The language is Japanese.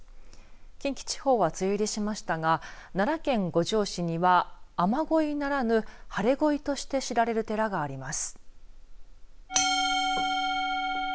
近畿地方は梅雨入りしましたが奈良県五條市には雨乞いならぬ晴れ乞いとして知られる寺があります。